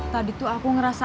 tadi tuh aku ngerasa